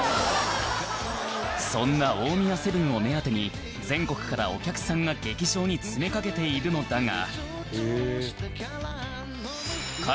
そんな大宮セブンを目当てに全国からお客さんが劇場に詰めかけているのだが